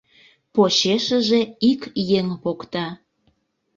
Почешыже ик еҥ покта.